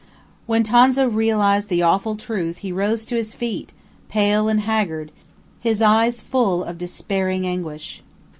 When Tonza realized the awful truth he rose to his feet, pale and haggard, his eyes full of despairing anguish.